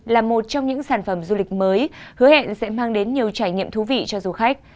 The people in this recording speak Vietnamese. là một trong những sản phẩm du lịch mới hứa hẹn sẽ mang đến nhiều trải nghiệm thú vị cho du khách